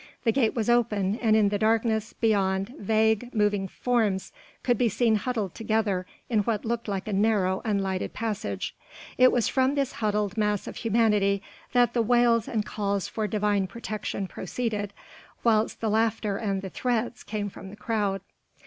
The gate was open and in the darkness beyond vague, moving forms could be seen huddled together in what looked like a narrow, unlighted passage. It was from this huddled mass of humanity that the wails and calls for divine protection proceeded, whilst the laughter and the threats came from the crowd.